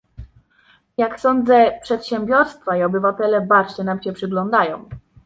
Jak sądzę, przedsiębiorstwa i obywatele bacznie nam się przyglądają